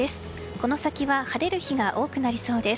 この先は晴れる日が多くなりそうです。